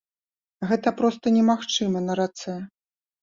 Гэта проста немагчыма на рацэ.